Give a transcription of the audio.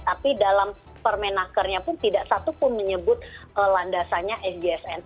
tapi dalam permen akarnya pun tidak satu pun menyebut landasannya sjsn